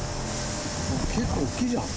結構大きいじゃん！